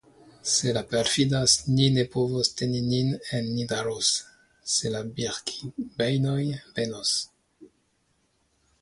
Se la perfidas, ni ne povos teni nin en Nidaros, se la Birkibejnoj venos.